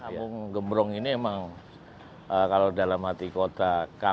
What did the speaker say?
kampung gembrong ini emang kalau dalam hati kota